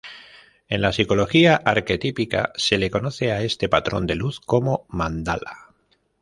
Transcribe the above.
En la psicología arquetípica, se le conoce a este patrón de luz como mandala.